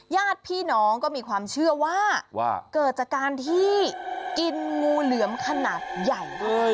ญาติพี่น้องก็มีความเชื่อว่าเกิดจากการที่กินงูเหลือมขนาดใหญ่ด้วย